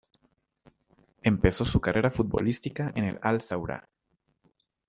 Empezó su carrera futbolística en el Al-Zawraa.